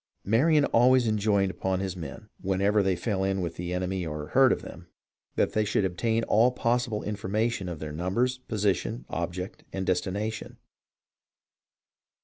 " Marion always enjoined upon his men, whenever they fell in with the enemy or heard of them, that they should obtain all possible information of their numbers, position, object, and destination.